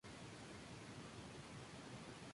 Durante varios años ejerció como capitán del equipo.